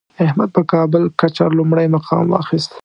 احمد په کابل کچه لومړی مقام واخیست.